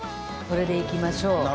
これで行きましょう。